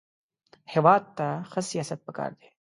هېواد ته ښه سیاست پکار دی